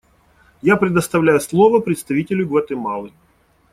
Я предоставляю слово представителю Гватемалы.